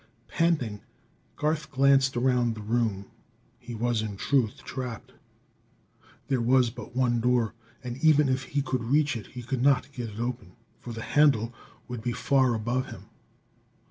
Panting, Garth glanced around the room. He was, in truth, trapped. There was but the one door; and even if he could reach it, he could not get it open, for the handle would be far above him.